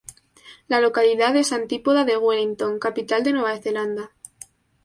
La localidad es antípoda de Wellington, capital de Nueva Zelanda.